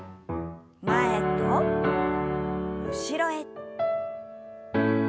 前と後ろへ。